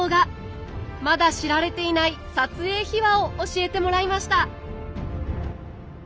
まだ知られていない撮影秘話を教えてもらいました